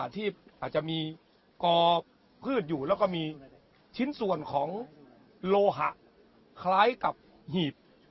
ที่อาจจะมีกอพืชอยู่แล้วก็มีชิ้นส่วนของโลหะคล้ายกับหีบ